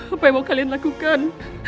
apa yang mau kalian lakukan